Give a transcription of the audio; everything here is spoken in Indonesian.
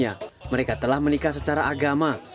dan di sini mereka telah menikah secara agama